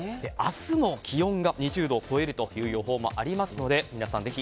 明日も気温が２０度を超えるという予報もありますので皆さん